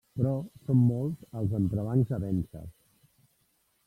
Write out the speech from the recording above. Però són molts els entrebancs a vèncer.